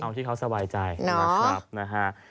เอาที่เขาสบายใจนะครับนะฮะ